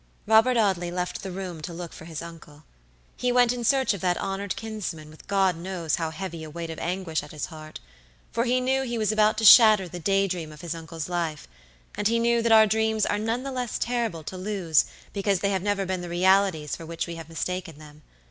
Robert Audley left the room to look for his uncle. He went in search of that honored kinsman with God knows how heavy a weight of anguish at his heart, for he knew he was about to shatter the day dream of his uncle's life; and he knew that our dreams are none the less terrible to lose, because they have never been the realities for which we have mistaken them.